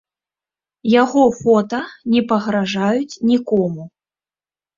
Яго фота не пагражаюць нікому.